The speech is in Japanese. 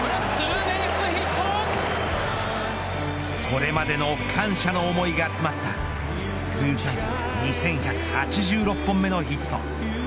これまでの感謝の思いが詰まった通算２１８６本目のヒット。